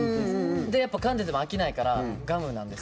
かんでても飽きないからガムなんです。